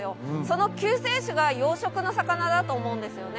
その救世主が養殖の魚だと思うんですよね。